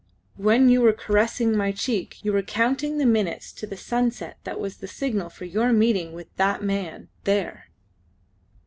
When you were caressing my cheek you were counting the minutes to the sunset that was the signal for your meeting with that man there!"